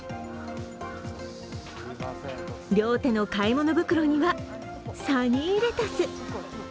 両手の買い物袋にはサニーレタス。